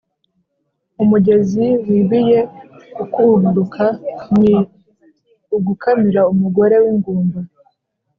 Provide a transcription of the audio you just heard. Umugezi wibiye ukuburuka ni ugukamira umugore w'ingumba,